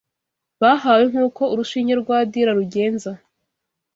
bahawe nk’uko urushinge rwa dira rugenza